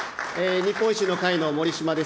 日本維新の会の守島です。